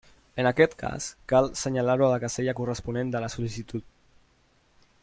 En aquest cas, cal senyalar-ho a la casella corresponent de la sol·licitud.